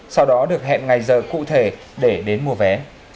sau đó được hẹn ngày giờ cụ thể để đến mua vé